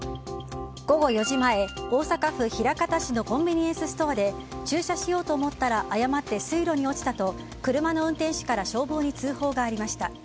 午後４時前、大阪府枚方市のコンビニエンスストアで駐車しようと思ったら誤って水路に落ちたと車の運転手から消防に通報がありました。